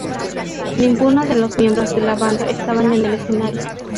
Ninguno de los miembros de la banda estaban en el escenario.